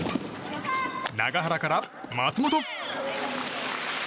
永原から、松本！